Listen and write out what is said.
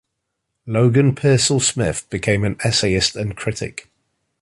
Logan Pearsall Smith became an essayist and critic.